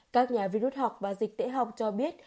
các nhà vi rút học và dịch tễ học cho biết